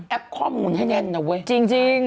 แอพจริงทุกวันนี้